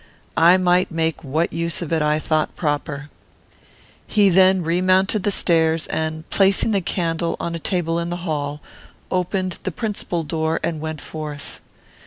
I might make what use of it I thought proper. He then remounted the stairs, and, placing the candle on a table in the hall, opened the principal door and went forth.